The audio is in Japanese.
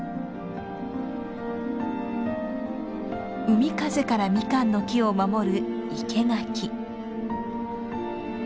海風からミカンの木を守る